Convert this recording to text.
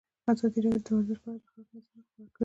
ازادي راډیو د ورزش په اړه د خلکو نظرونه خپاره کړي.